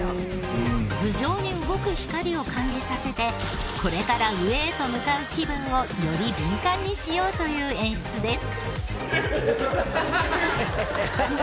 頭上に動く光を感じさせてこれから上へと向かう気分をより敏感にしようという演出です。